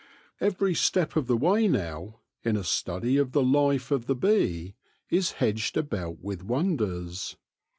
Every step of the way now, in a study of the life of the bee, is hedged about with wonders.